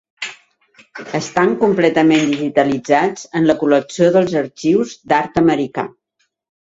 Estan completament digitalitzats en la col·lecció dels Arxius d’Art Americà.